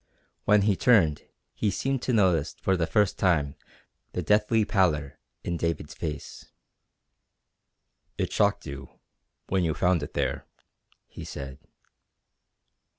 When he turned he seemed to notice for the first time the deathly pallor in David's face. "It shocked you when you found it there," he said.